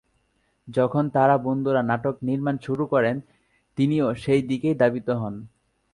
যখন তার বন্ধুরা নাটক নির্মাণ শুরু করেন, তিনিও সেই দিকেই ধাবিত হন।